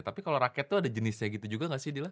tapi kalau raket tuh ada jenisnya gitu juga gak sih dila